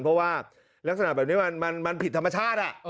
เพราะว่าลักษณะแบบนี้มันผิดธรรมชาติ